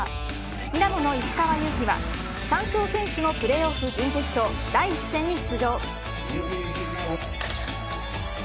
ミラノの石川祐希は３勝先取のプレーオフ準決勝第一戦に出場。